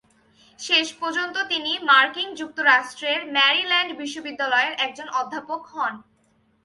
শেষ পর্যন্ত তিনি মার্কিন যুক্তরাষ্ট্রের ম্যারিল্যান্ড বিশ্ববিদ্যালয়ের একজন অধ্যাপক হন।